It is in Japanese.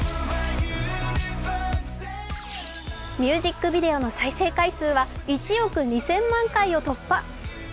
ミュージックビデオの再生回数は１億２０００万回を突破。